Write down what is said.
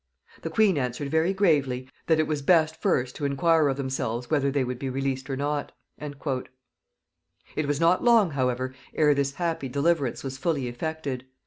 The queen answered very gravely, that it was best first to inquire of themselves whether they would be released or not." [Note 41: Bacon's "Apophthegms."] It was not long, however, ere this happy deliverance was fully effected.